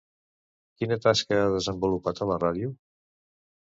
Quina tasca ha desenvolupat a la ràdio?